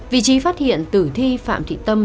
vị trí phát hiện tử thi phạm thị tâm